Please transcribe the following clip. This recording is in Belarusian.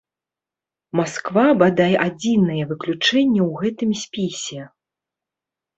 Масква, бадай, адзінае выключэнне ў гэтым спісе.